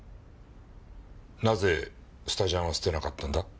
なぜスタジャンは捨てなかったんだ？